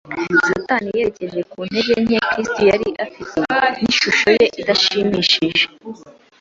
Satani yerekeje ku ntege nkeya Kristo yari afite n’ishusho ye idashimishije